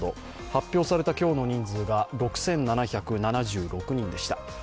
発表された今日の人数が６７７６人でした。